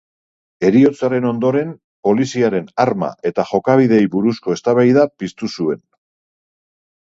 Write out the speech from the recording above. Heriotzaren ondoren, poliziaren arma eta jokabideei buruzko eztabaida piztu zuen.